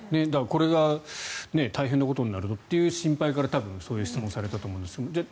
これが大変なことになるとという心配から多分、そういう質問をされたと思いますが。